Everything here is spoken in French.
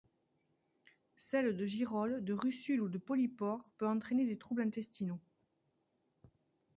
Celle de girolles, de russules ou de polypores peut entraîner des troubles intestinaux.